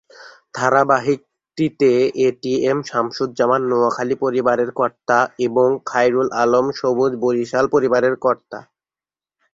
ধারাবাহিকটিতে A T M Shamsuzzaman Noakhali পরিবারের কর্তা এবং খায়রুল আলম সবুজ বরিশাল পরিবারের কর্তা।